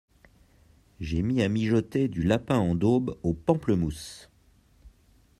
J’ai mis à mijoter du lapin en daube aux pamplemousses.